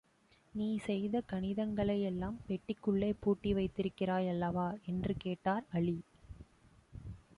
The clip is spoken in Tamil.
நீ செய்த கணிதங்களை யெல்லாம் பெட்டிக்குள்ளே பூட்டி வைத்திருக்கிறாய் அல்லவா? என்று கேட்டார் அலி.